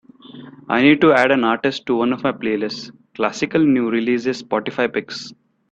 I need to add an artist to one of my playlists, Classical New Releases Spotify Picks.